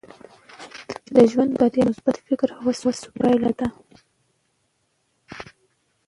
د ژوند بریا د مثبت فکر او هڅو پایله ده.